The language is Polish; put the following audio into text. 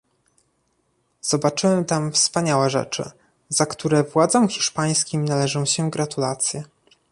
Zobaczyłem tam wspaniałe rzeczy, za które władzom hiszpańskim należą się gratulacje